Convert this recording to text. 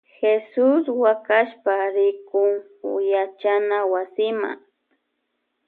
Jesus wakashpa rikun yachana wasima.